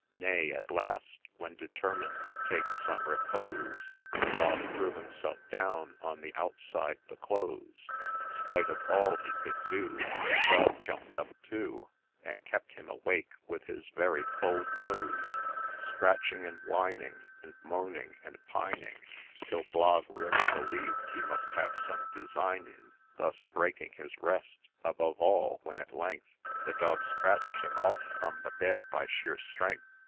' Nay, at last, when determined to take some repose, Blogg threw himself down on the outside the clothes, Spite of all he could do, The dog jump'd up too, And kept him awake with his very cold nose ; Scratching and whining, And moaning and pining, Till Blogg really believed he must have some design in Thus breaking his rest ; above all, when at length The dog scratch'd him off from the bed by sheer strength.